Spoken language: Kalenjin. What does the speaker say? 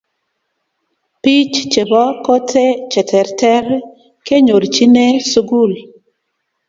biich chebo kotee che terter kenyorchine sukul